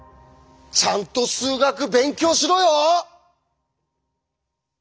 ちゃんと数学勉強しろよ！